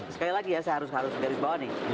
sekali lagi ya saya harus garis bawah nih